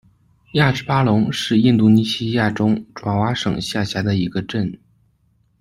亚芝巴珑是印度尼西亚中爪哇省下辖的一个镇。